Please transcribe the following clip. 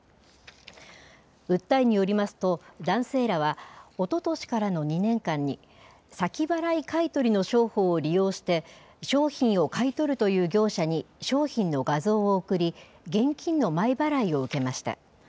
訴えによりますと、男性らはおととしからの２年間に、先払い買い取りの商法を利用して、商品を買い取るという業者に、商品の画像を送り、現金の前払いを受けました。